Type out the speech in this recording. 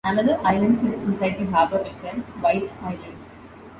Another island sits inside the Harbour itself, White's Island.